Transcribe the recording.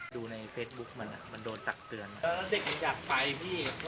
ดูในเฟซบุ๊กมันอ่ะมันโดนตักเตือนเออเด็กมันอยากไปพี่